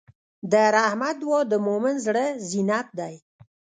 د رحمت دعا د مؤمن زړۀ زینت دی.